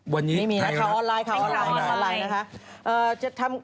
บนนี้ไทยเหรอคะเป็นข้าวออนไลน์นะคะค่ะ